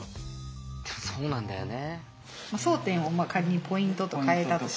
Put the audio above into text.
そうなんだよね。